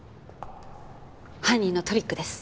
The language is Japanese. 犯人のトリックです。